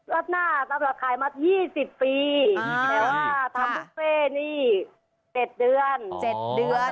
รัดหน้าเราขายมา๒๐ปีแต่ว่าเราทำบุฟเฟ่นี่๗เดือน